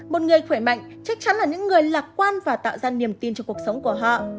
một người khỏe mạnh chắc chắn là những người lạc quan và tạo ra niềm tin cho cuộc sống của họ